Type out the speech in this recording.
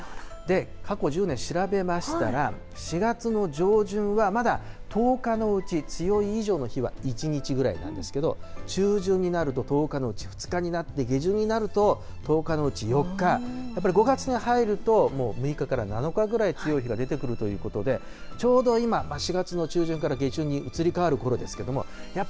過去１０年調べましたら、４月の上旬はまだ１０日のうち強い以上の日は１日ぐらいなんですけど、中旬になると、１０日のうち２日になって、下旬になると、１０日のうち４日、やっぱり５月に入るともう６日から７日ぐらい、強い日が出てくるということで、ちょうど今、４月の中旬から下旬に移り変わるころですけれども、やっ